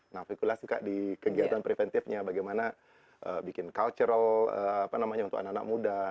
nah fikula suka di kegiatan preventifnya bagaimana bikin cultural untuk anak anak muda